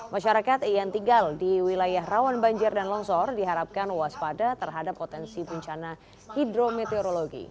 masyarakat yang tinggal di wilayah rawan banjir dan longsor diharapkan waspada terhadap potensi bencana hidrometeorologi